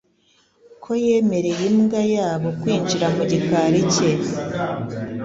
ko yemereye imbwa yabo kwinjira mu gikari cye